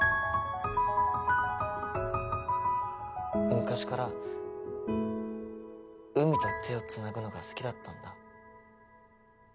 昔からうみと手をつなぐのが好きだったんだ。